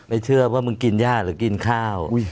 เชื่อว่ามึงกินย่าหรือกินข้าว